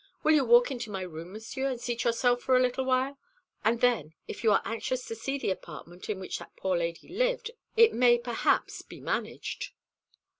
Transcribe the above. Will you walk into my room, Monsieur, and seat yourself for a little while? and then, if you are anxious to see the apartment in which that poor lady lived, it may perhaps be managed."